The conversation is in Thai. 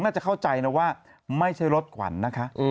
น่าจะเข้าใจนะว่าไม่ใช่รถขวัญนะคะ